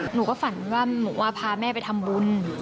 หนูก็ฝันว่าพาแม่ไปทำบุญ